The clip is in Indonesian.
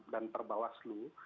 dan perbawah selu